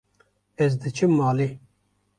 Ez diçim malê.